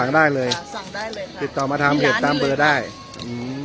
ได้เลยสั่งได้เลยค่ะติดต่อมาทางเพจตามเบอร์ได้อืม